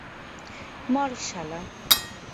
মর, শালা।